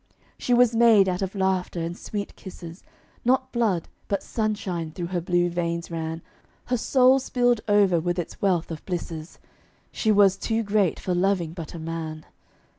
She was made out of laughter and sweet kisses; Not blood, but sunshine, through her blue veins ran Her soul spilled over with its wealth of blisses; She was too great for loving but a man.